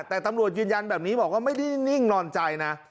แต่ตำรวจยืนยันแบบนี้บอกว่าไม่ได้นิ่งนอนใจนะ